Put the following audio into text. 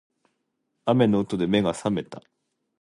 雨の音で目が覚めた